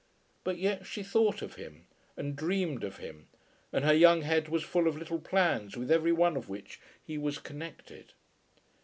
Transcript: But yet she thought of him, and dreamed of him, and her young head was full of little plans with every one of which he was connected.